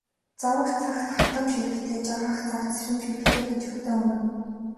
Зовох цагт хатамж хэрэгтэй, жаргах цагт сэрэмж хэрэгтэй гэж юутай үнэн.